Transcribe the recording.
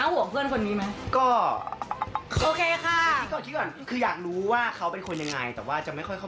หอบหน้า